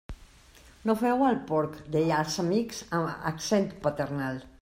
No feu el porc! –deia als amics amb accent paternal.